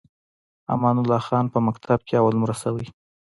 امان الله خان په مکتب کې اول نمره شوی.